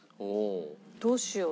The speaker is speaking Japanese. どうしよう？